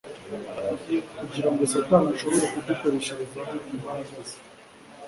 Kugira ngo Satani ashobore kudukoresherezaho imbaraga ze,